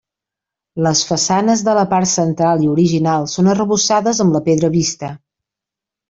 Les façanes de la part central i original són arrebossades amb la pedra vista.